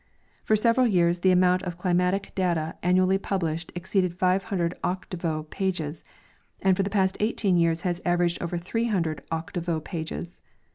For several years the amount of climatic data an nually published exceeded five hundred octavo pages, and for the past eighteen years has averaged over three hundred octavo pages.